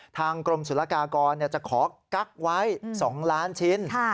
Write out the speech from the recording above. ทางกรมศุลกากรจะขอกั๊กไว้๒ล้านชิ้น